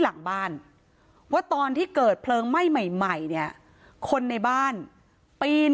หลังบ้านว่าตอนที่เกิดเพลิงไหม้ใหม่ใหม่เนี่ยคนในบ้านปีน